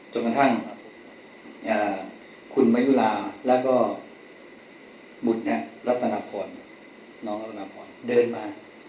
จนกระทั่งคุณมายุลาแล้วก็บุญรัตนพรน้องรัตนาพรเดินมา